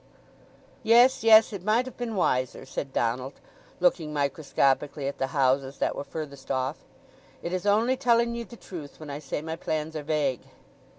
"Yes, yes—it might have been wiser," said Donald, looking microscopically at the houses that were furthest off. "It is only telling ye the truth when I say my plans are vague."